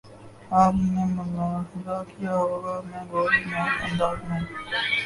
آپ نے ملاحظہ کیا ہو گا کہ میں گول مول انداز میں